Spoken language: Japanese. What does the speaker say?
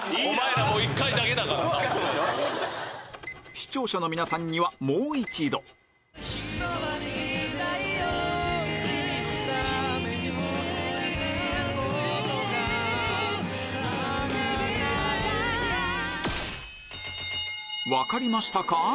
視聴者の皆さんには分かりましたか？